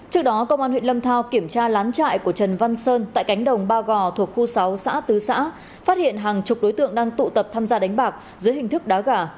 trước đó công an huyện lâm thao kiểm tra lán trại của trần văn sơn tại cánh đồng ba gò thuộc khu sáu xã tứ xã phát hiện hàng chục đối tượng đang tụ tập tham gia đánh bạc dưới hình thức đá gà